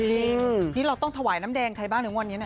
จริงนี่เราต้องถวายน้ำแดงใครบ้างหรือวันนี้